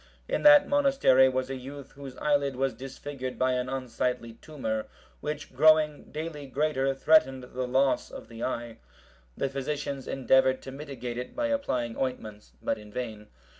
In that monastery was a youth whose eyelid was disfigured by an unsightly tumour, which growing daily greater, threatened the loss of the eye. The physicians endeavoured to mitigate it by applying ointments, but in vain.